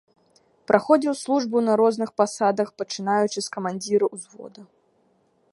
Праходзіў службу на розных пасадах, пачынаючы з камандзіра ўзвода.